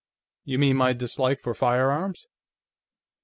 "You mean my dislike for firearms?"